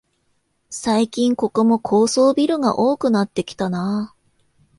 最近ここも高層ビルが多くなってきたなあ